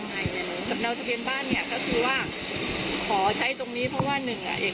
เออคุณพ่อขามีเอกสารนะคะเขาก็จะให้เด็กเอามาก